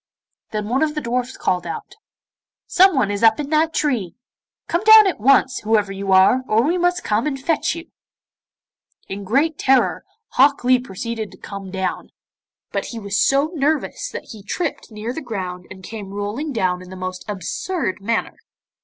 Then one of the dwarfs called out, 'Someone is up in that tree. Come down at once, whoever you are, or we must come and fetch you.' In great terror, Hok Lee proceeded to come down; but he was so nervous that he tripped near the ground and came rolling down in the most absurd manner.